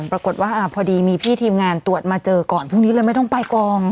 ปรากฏว่าพอดีมีพี่ทีมงานตรวจมาเจอก่อนพรุ่งนี้เลยไม่ต้องไปกอง